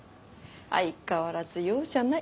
相変わらず容赦ない。